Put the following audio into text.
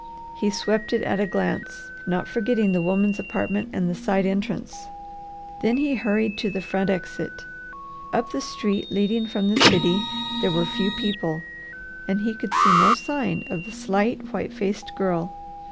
He swept it at a glance, not forgetting the women's apartment and the side entrance. Then he hurried to the front exit. Up the street leading from the city there were few people and he could see no sign of the slight, white faced girl.